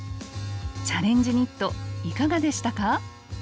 「チャレンジニット」いかがでしたか？